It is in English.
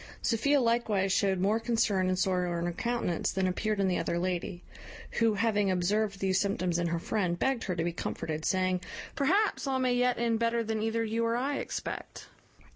Sophia likewise showed more concern and sorrow in her countenance than appeared in the other lady; who, having observed these symptoms in her friend, begged her to be comforted, saying, "Perhaps all may yet end better than either you or I expect."